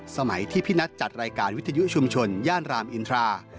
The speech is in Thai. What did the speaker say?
สมัยที่พี่นัทจัดรายการวิทยุชุมชนย่านรามอินทรา